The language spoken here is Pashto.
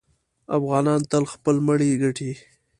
افغانان تل خپل مړی ګټي.